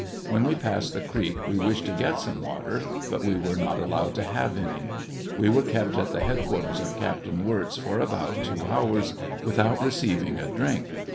When we passed the creek we wished to get some water, but we were not allowed to have any. We were kept at the headquarters of Captain Wirz for about two hours, without receiving a drink.